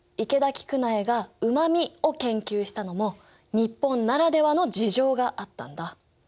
池田菊苗がうま味を研究したのも日本ならではの事情があったんだ。